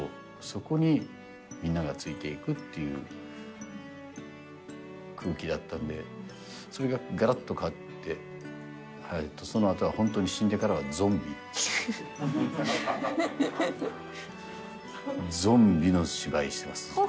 そこにみんながついていくっていう空気だったんでそれがガラッと変わってそのあとはホントに死んでからはゾンビゾンビの芝居してます